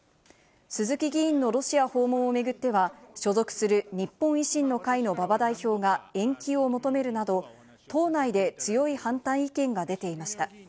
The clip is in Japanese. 鈴木議員のロシア訪問をめぐっては、所属する日本維新の会の馬場代表が延期を求めるなど、党内で強い反対意見が出ていました。